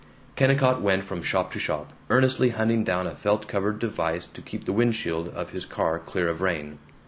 Kennicott went from shop to shop, earnestly hunting down a felt covered device to keep the windshield of his car clear of rain.